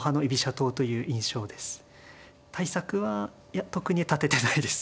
対策はいや特には立ててないです。